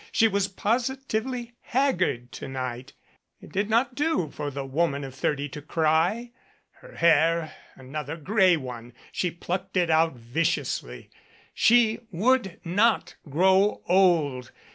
She was positively haggard to night. It did not do for the woman of thirty to cry. Her hair another gray one she plucked it out viciously. She would not grow old.